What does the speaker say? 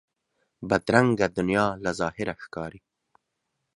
بدرنګه دنیا له ظاهره ښکاري